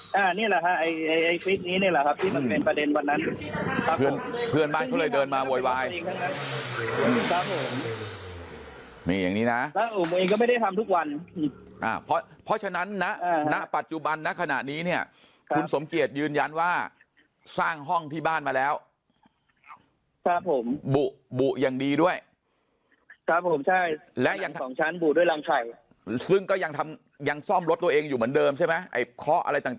ครับคุณสมเกษครับคุณสมเกษครับคุณสมเกษครับคุณสมเกษครับคุณสมเกษครับคุณสมเกษครับคุณสมเกษครับคุณสมเกษครับคุณสมเกษครับคุณสมเกษครับคุณสมเกษครับคุณสมเกษครับคุณสมเกษครับคุณสมเกษครับคุณสมเกษครับคุณสมเกษครับคุณสมเกษครับคุณสมเกษครับคุ